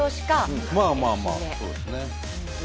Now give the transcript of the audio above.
まあまあまあそうですね。